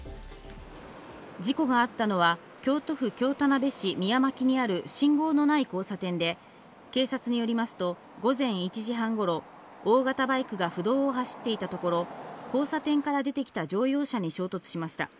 事故があったのは京都府京田辺市三山木にある信号のない交差点で、警察によりますと、午前１時半頃、大型バイクが府道を走っていたところ、交差点から出てきた乗用車に衝突しました。